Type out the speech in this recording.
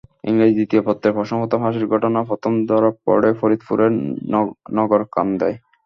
ইংরেজি দ্বিতীয় পত্রের প্রশ্নপত্র ফাঁসের ঘটনা প্রথম ধরা পড়ে ফরিদপুরের নগরকান্দায়।